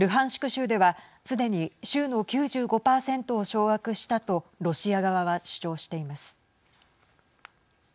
州ではすでに州の９５％を掌握したとロシア側は主張しています。